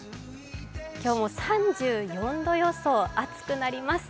今日も３４度予想、暑くなります。